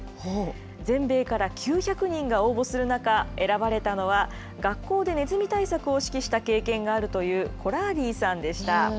全米から９００人が応募する中、選ばれたのは、学校でネズミ対策を指揮した経験があるという、コラーディーさんでした。